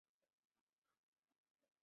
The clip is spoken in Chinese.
创办人是詹慧君与林庭妃两人。